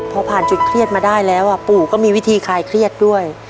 พอผ่านจุดเครียดมาได้แล้วปู่ก็มีวิธีคลายเครียดด้วย